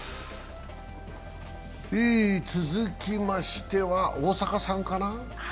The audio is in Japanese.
続きましては大坂さんかな。